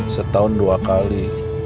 setahun dua kali